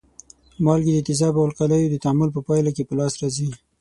مالګې د تیزابو او القلیو د تعامل په پایله کې په لاس راځي.